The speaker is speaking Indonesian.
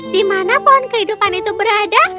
di mana pohon kehidupan itu berada